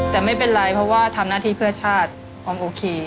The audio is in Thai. แต่ไม่เป็นไรเพราะว่าทำหน้าที่เพื่อชาติออมโอเค